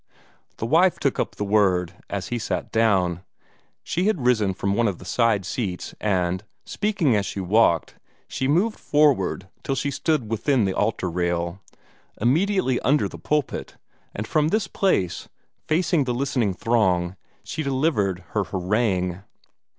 The wife took up the word as he sat down. She had risen from one of the side seats; and, speaking as she walked, she moved forward till she stood within the altar rail, immediately under the pulpit, and from this place, facing the listening throng, she delivered her harangue.